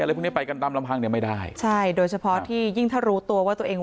อะไรไปกันตั้งแต่ไม่ได้ใช่โดยเฉพาะที่ยิ่งถ้ารู้ตัวว่าตัวเอง